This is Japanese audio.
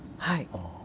はい。